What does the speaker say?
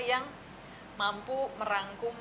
yang mampu merangkum